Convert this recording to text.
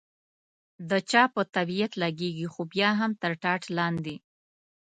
د چا په طبیعت لګېږي، خو بیا هم تر ټاټ لاندې.